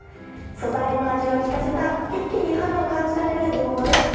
素材の味を利かせた一気に春を感じられる煮ものです。